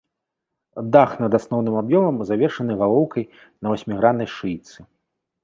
Дах над асноўным аб'ёмам завершаны галоўкай на васьміграннай шыйцы.